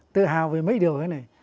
tự hào về mấy điều thế này